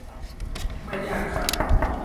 ไม่ยากครับ